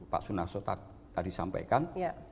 pak sunaso tadi sampaikan